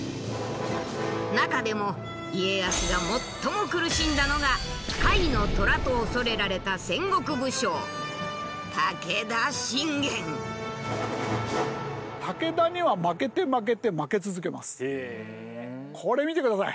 中でも家康が最も苦しんだのが「甲斐の虎」と恐れられた戦国武将これ見て下さい。